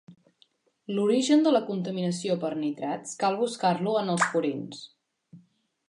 L'origen de la contaminació per nitrats cal buscar-lo en els purins.